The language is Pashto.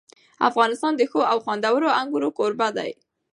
افغانستان د ښو او خوندورو انګورو کوربه دی.